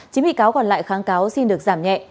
chín bị cáo còn lại kháng cáo xin được giảm nhẹ